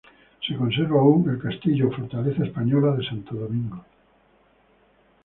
Se conserva aún el castillo o fortaleza española de Santo Domingo.